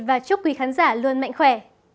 và chúc quý khán giả luôn mạnh khỏe